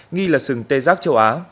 nghị là sừng tê giác châu á